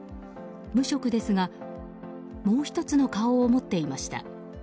無職ですがもう１つの顔を持っていました。